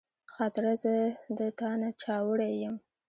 خاطره زه د تا نه چاوړی یم